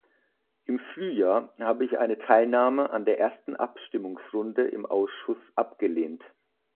Im Frühjahr habe ich eine Teilnahme an der ersten Abstimmungsrunde im Ausschuss abgelehnt.